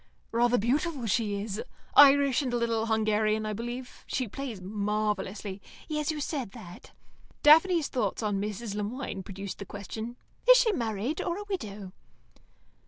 "Rather beautiful, she is. Irish, and a little Hungarian, I believe. She plays marvellously." "Yes, you said that." Daphne's thoughts on Mrs. Le Moine produced the question, "Is she married, or a widow?"